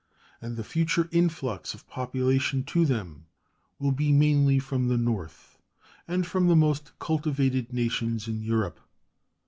And the future influx of population to them will be mainly from the North or from the most cultivated nations in Europe.